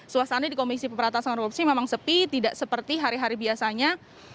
suasana di komisi pembatasan korupsi memang sepi tidak seperti hari hari biasanya